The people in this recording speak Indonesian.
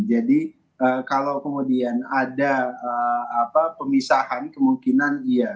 jadi kalau kemudian ada pemisahan kemungkinan iya